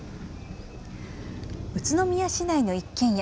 宇都宮市内の一軒家。